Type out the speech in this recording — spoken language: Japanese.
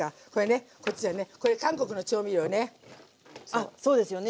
あっそうですよね